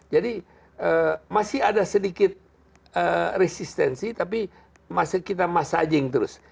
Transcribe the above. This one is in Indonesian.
jadi masih ada sedikit resistensi tapi kita massaging terus